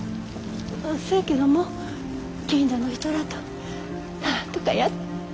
せやけども近所の人らとなんとかや。